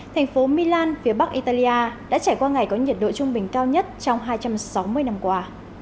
thành phố milan phía bắc italia đã trải qua ngày có nhiệt độ trung bình cao nhất trong hai trăm sáu mươi năm qua